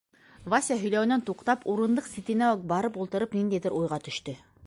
Вася, һөйләүенән туҡтап, урындыҡ ситенә үк барып ултырып, ниндәйҙер уйға төштө.